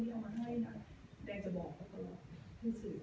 เขาก็จะชอบตำแหน่งขอบคุณครับ